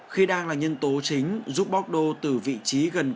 khi đang là nhân tố chính giúp bóc đô từ vị trí gần